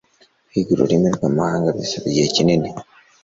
Kwiga ururimi rwamahanga bisaba igihe kinini.